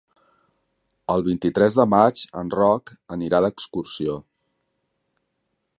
El vint-i-tres de maig en Roc anirà d'excursió.